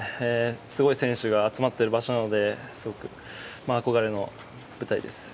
すごい選手が集まっている場所なので憧れの舞台です。